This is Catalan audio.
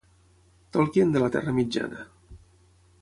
Tolkien de la Terra Mitjana.